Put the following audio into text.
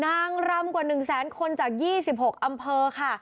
นางรำกว่าหนึ่งแสนคนจากยี่สิบหกอำเภอค่ะ